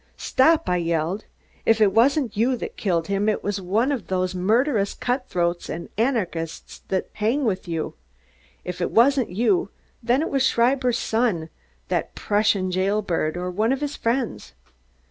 "Stop!" I yelled. "If it wasn't you that killed him, it was one of that murderous gang of cutthroats and anarchists that was with you. If it wasn't you, then it was Schreiber's son that Prussian jail bird, or one of his friends."